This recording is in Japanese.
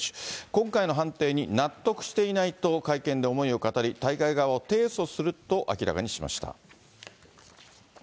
今回の判定に納得していないと、会見で思いを語り、大会側を提訴すると明らかにしました。